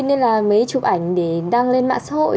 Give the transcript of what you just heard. nên là mấy chụp ảnh để đăng lên mạng xã hội